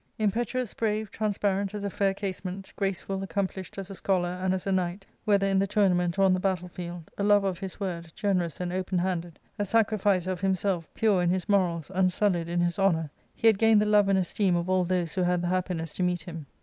Impetuous, brave, transparent as a fair casement, graceful, accomplished as a scholar and as a knight, whether in the tournament or on the battle field, a lover of his word, generous and open handed, a sacrificer of himself, pure in his morals, unsullied in his honour, he had gained the love and esteem of all those who had the happiness to meet him.